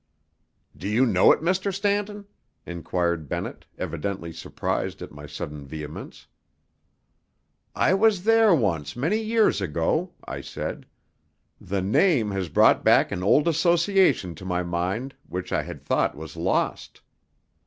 _" "Do you know it, Mr. Stanton?" enquired Bennett, evidently surprised at my sudden vehemence. "I was there once many years ago," I said. "The name has brought back an old association to my mind which I had thought was lost."